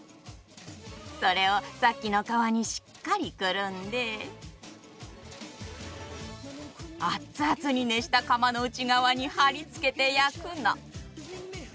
それをさっきの皮にしっかりくるんでアッツアツに熱した窯の内側に貼り付けて焼くの。